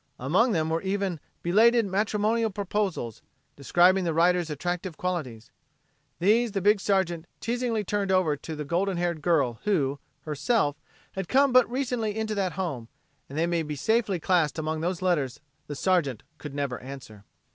Among them were even belated matrimonial proposals, describing the writers' attractive qualities. These the big Sergeant teasingly turned over to the golden haired girl who, herself, had come but recently into that home, and they may safely be classed among those letters the Sergeant could never answer.